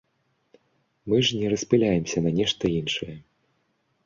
Мы ж не распыляемся на нешта іншае.